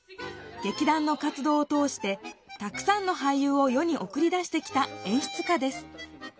劇団の活どうを通してたくさんの俳優を世におくり出してきた演出家です